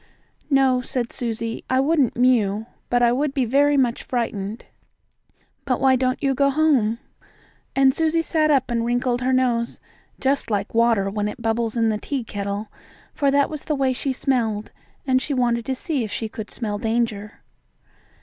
"No," said Susie, "I wouldn't mew, but I would be very much frightened. But why don't you go home?" And Susie sat up and wrinkled her nose, just like water when it bubbles in the tea kettle, for that was the way she smelled, and she wanted to see if she could smell danger.